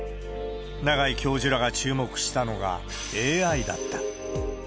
長井教授らが注目したのが、ＡＩだった。